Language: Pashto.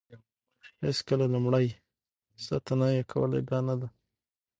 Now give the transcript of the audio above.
هېڅکله لومړۍ سطح نوي کول ادعا نه ده.